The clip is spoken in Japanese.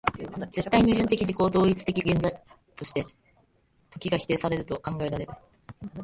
絶対矛盾的自己同一的現在として、時が否定せられると考えられる